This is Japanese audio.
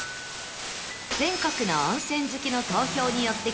全国の温泉好きの投票によって決める